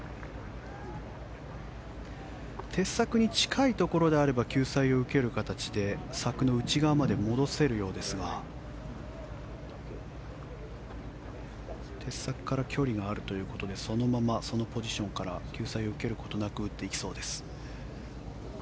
鉄柵に近いところであれば救済を受ける形で柵の内側まで戻せるようですが鉄柵から距離があるということでそのまま、そのポジションから救済を受けることなく打っていきそうです。